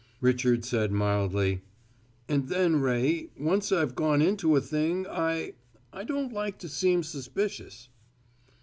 Richard said mildly: "And then, Ray, once I've gone into a thing I I don't like to seem suspicious."